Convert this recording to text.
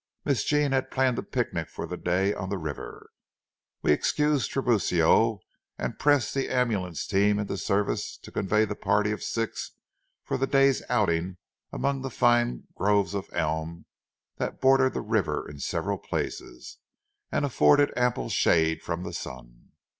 Miss Jean had planned a picnic for the day on the river. We excused Tiburcio, and pressed the ambulance team into service to convey the party of six for the day's outing among the fine groves of elm that bordered the river in several places, and afforded ample shade from the sun.